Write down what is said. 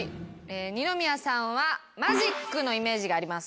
二宮さんは「マジック」のイメージがあります。